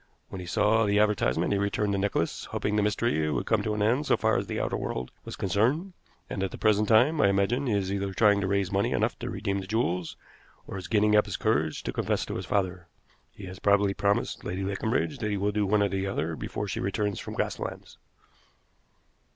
When he saw the advertisement he returned the necklace, hoping the mystery would come to an end so far as the outer world was concerned; and at the present time, I imagine, he is either trying to raise money enough to redeem the jewels, or is getting up his courage to confess to his father. He has probably promised Lady Leconbridge that he will do one or the other before she returns from Grasslands."